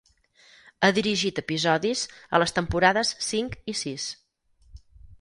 Ha dirigit episodis a les temporades cinc i sis.